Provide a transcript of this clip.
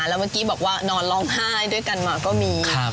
แล้วเมื่อกี้บอกว่านอนร้องไห้ด้วยกันมาก็มี